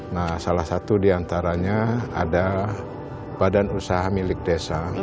nah salah satu diantaranya ada badan usaha milik desa